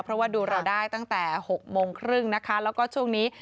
เพราะว่าดูเราได้ตั้งแต่๖โมงครึ่งนะคะแล้วก็ช่วงนี้